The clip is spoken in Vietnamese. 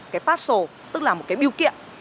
cái vận đơn một triệu cái parcel tức là một cái biêu kiện